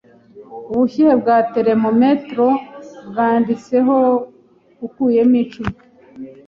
Ubushyuhe bwa termometero bwanditseho ukuyemo icumi.